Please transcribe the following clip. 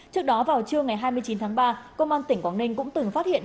trước đó vào trưa ngày hai mươi chín tháng ba công an tỉnh quảng ninh cũng từng phát hiện